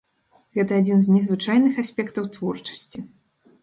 Гэта адзін з незвычайных аспектаў творчасці.